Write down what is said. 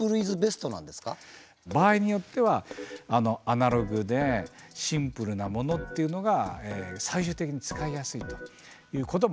場合によってはアナログでシンプルなものというのが最終的に使いやすいということもありえますよね。